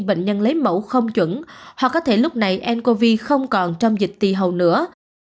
bệnh nhân lấy mẫu không chuẩn hoặc có thể lúc này ncov không còn trong dịch tì hầu nữa